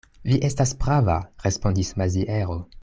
Vi estas prava, respondis Maziero.